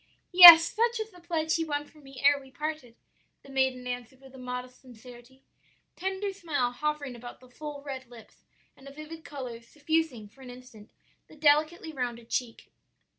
"'Yes; such was the pledge he won from me ere we parted,' the maiden answered with modest sincerity, a tender smile hovering about the full red lips and a vivid color suffusing for an instant the delicately rounded cheek.